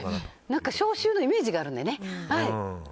消臭のイメージがあるので。